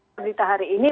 pemerintah hari ini